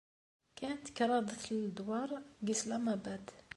Kkant kraḍt n ledwaṛ deg Islamabad.